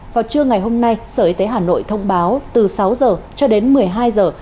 vào trưa ngày hôm nay sở y tế hà nội thông báo từ sáu giờ cho đến một mươi hai giờ